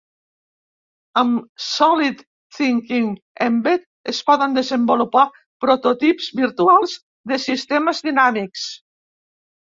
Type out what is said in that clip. Amb solidThinking Embed, es poden desenvolupar prototips virtuals de sistemes dinàmics.